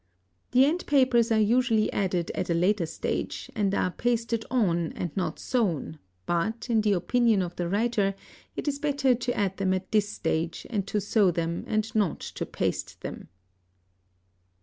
The end papers are usually added at a later stage, and are pasted on, and not sewn, but, in the opinion of the writer, it is better to add them at this stage, and to sew them and not to paste them.